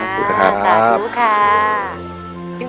ขอบคุณครับสวัสดีครับสวัสดีครับ